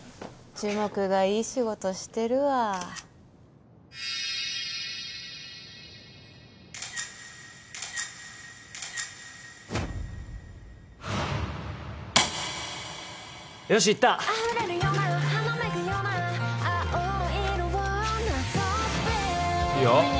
樹木がいい仕事してるわよし行ったいいよ